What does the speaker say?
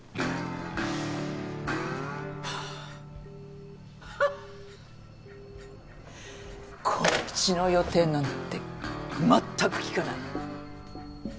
ツーツーツーこっちの予定なんて全く聞かない。